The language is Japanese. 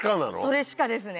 それしかですね。